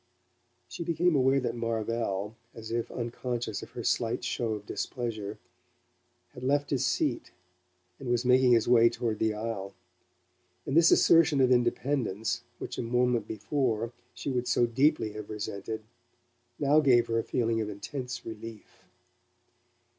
She became aware that Marvell, as if unconscious of her slight show of displeasure, had left his seat, and was making his way toward the aisle; and this assertion of independence, which a moment before she would so deeply have resented, now gave her a feeling of intense relief.